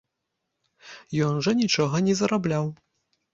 Ён жа нічога не зарабляў.